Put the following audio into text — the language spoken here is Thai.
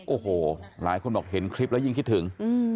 โอ้โหหลายคนบอกเห็นคลิปแล้วยิ่งคิดถึง